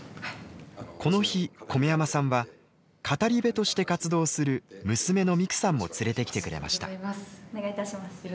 この日米山さんは語り部として活動する娘の未来さんも連れてきてくれました。